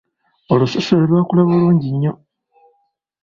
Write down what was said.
Olususu lwe lwakula bulungi nnyo.